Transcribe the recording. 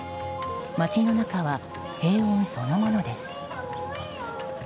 街の中は平穏そのものです。